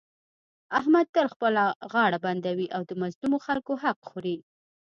احمد تل خپله غاړه بندوي او د مظلومو خلکو حق خوري.